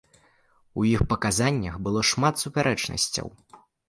У іх паказаннях было шмат супярэчнасцяў.